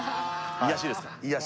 癒やしです